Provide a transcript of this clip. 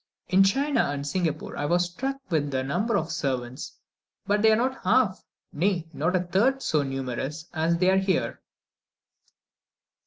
In China and Singapore, I was struck with the number of servants, but they are not half, nay, not a third so numerous, as they are here.